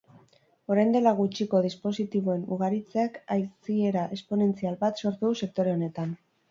Orain dela gutxiko dispositiboen ugaritzeak haziera esponentzial bat sortu du sektore honetan.